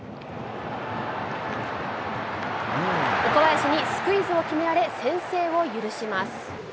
岡林にスクイズを決められ、先制を許します。